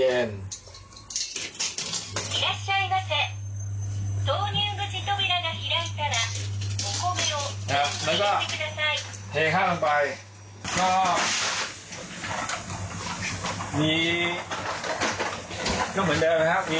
อันนี้ค่ะที่เราฝีแล้วฝีก็สวยดี